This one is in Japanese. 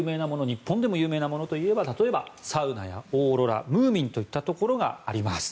日本でも有名なものといえば例えばサウナやオーロラムーミンといったところがあります。